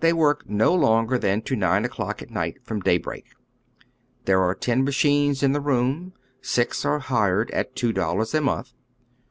They work no longer than to nine o'clock at night, from daybreak. There ai e ten machines in the room ; six are hired at two dollars a month.